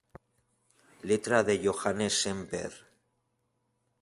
Letra de Johannes Semper.